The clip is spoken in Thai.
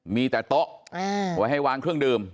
มีแต่โต๊ะไว้ให้วางเครื่องดื่ม